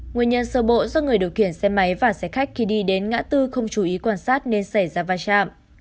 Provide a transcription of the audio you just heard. nguyên nhân sơ bộ do người điều khiển xe máy và xe khách khi đi đến ngã tư không chú ý quan sát nên xảy ra va chạm